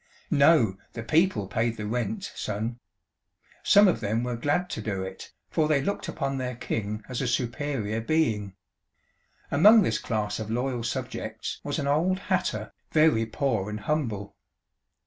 "No, the people paid the rent, Son. Some of them were glad to do it, for they looked upon their king as a superior being. Among this class of loyal subjects was an old hatter, very poor and humble."